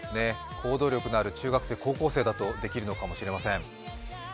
行動力のある中学生、高校生だとできるのかもしれません。